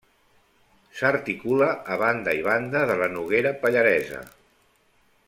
S'articula a banda i banda de la Noguera Pallaresa.